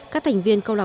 các thành viên câu lạc